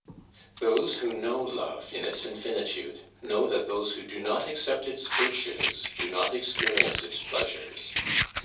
Those who know love in its infinitude know that those who do not accept its virtues do not experience its pleasures.